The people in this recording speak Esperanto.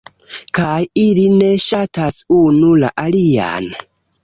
kaj ili ne ŝatas unu la alian